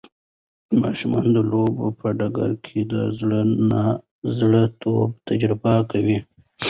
ماشومان د لوبو په ډګر کې د زړه نا زړه توب تجربه کوي.